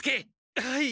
はい。